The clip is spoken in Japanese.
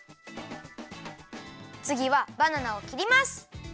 つぎはバナナをきります！